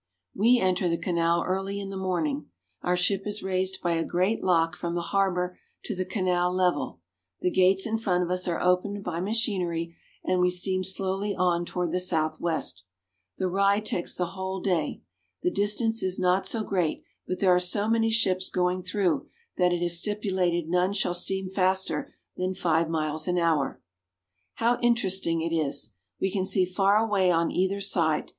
We enter the canal early in the morning. Our ship is raised by a great lock from the harbor to the canal level ; the gates in front of us are opened by machinery, and we steam slowly on toward the southwest. The ride takes the whole day. The distance is not so great, but there are so many ships going through that it is stipulated none shall steam faster than five miles an hour. How interesting it is ! We can see far away on either side.